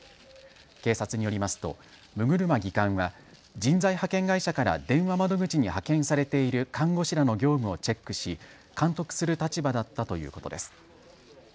警察によりますと六車技官は人材派遣会社から電話窓口に派遣されている看護師らの業務をチェックし監督する立場だったということです。